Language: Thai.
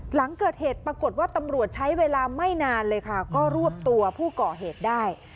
หลังเกิดเหตุปรากฏว่าตำรวจใช้เวลาไม่นานเลยค่ะก็รวบตัวผู้ก่อเหตุได้